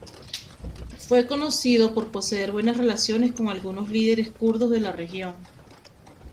Fue conocido por poseer buenas relaciones con algunos líderes kurdos de la región.